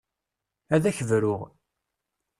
Ad ak-bruɣ.